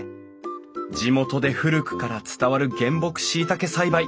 地元で古くから伝わる原木しいたけ栽培。